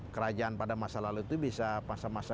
kerajaan pada masa lalu itu bisa